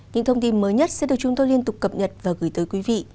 những thông tin mới nhất sẽ được chúng tôi liên tục cập nhật và gửi tới quý vị